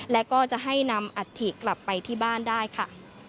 และก็จะให้นำอัฐิกลับไปที่บ้านได้ค่ะ